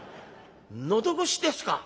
「喉越しですか」。